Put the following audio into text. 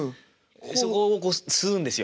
そこを吸うんですよ。